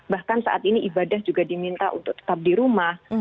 bahkan saat ini ibadah juga diminta untuk tetap di rumah